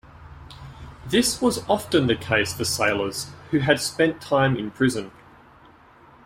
This was often the case for sailors who had spent time in prison.